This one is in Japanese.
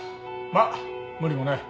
まあ無理もない。